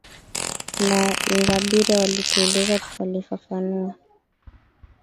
a la ingabire walituuliza tukalifafanua